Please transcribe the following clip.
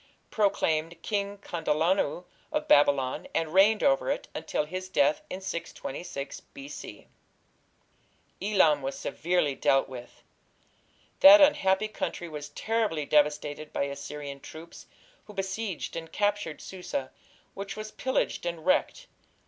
proclaimed King Kandalanu of Babylon, and reigned over it until his death in 626 B.C. Elam was severely dealt with. That unhappy country was terribly devastated by Assyrian troops, who besieged and captured Susa, which was pillaged and wrecked.